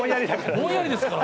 ぼんやりですから。